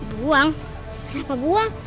buang kenapa buang